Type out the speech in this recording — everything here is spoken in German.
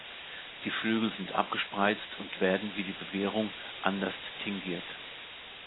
Die Flügel sind abgespreizt und werden, wie die Bewehrung, anders tingiert.